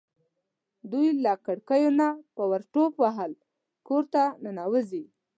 دوی له کړکیو نه په ټوپ وهلو کور ته ننوځي.